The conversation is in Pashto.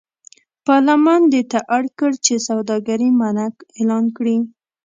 پارلمان دې ته اړ کړ چې سوداګري منع اعلان کړي.